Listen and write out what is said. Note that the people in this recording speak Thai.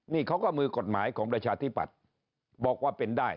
นี่เขาก็มือกฎหมายของประชาธิปัตย์บอกว่าเป็นได้